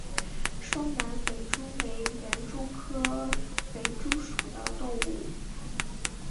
双南肥蛛为园蛛科肥蛛属的动物。